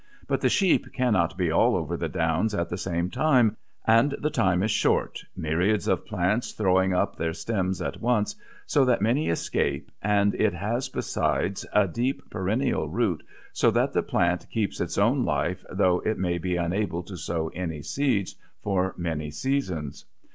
But the sheep cannot be all over the downs at the same time, and the time is short, myriads of plants throwing up their stems at once, so that many escape, and it has besides a deep perennial root so that the plant keeps its own life though it may be unable to sow any seeds for many seasons.